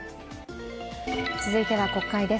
続いては国会です。